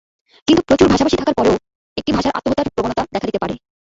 কিন্তু প্রচুর ভাষাভাষী থাকার পরও একটি ভাষায় আত্মহত্যার প্রবণতা দেখা দিতে পারে।